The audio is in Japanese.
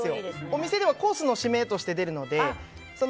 お店ではコースの締めとして出るので。